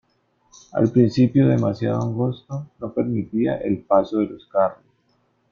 Al principio demasiado angosto, no permitía el paso de los carros.